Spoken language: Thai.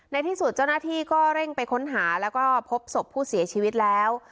ในที่สุดเจ้าหน้าที่ก็เร่งไปค้นหาแล้วก็พบศพผู้เสียชีวิตแล้ว